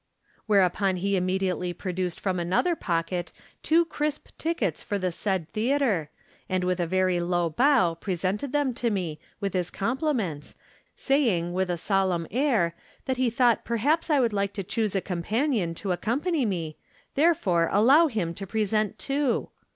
Whereupon he immediately produced from 168 JE'rom Different StandpointB, another pocket two crisp tickets for the said the atre, and with a very low bow presented them to me, with his compliments, saying, with a solemn air, that he thought perhaps I would like to choose a companion to accompany me, therefore allow him to present two.